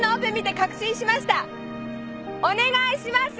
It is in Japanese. お願いします！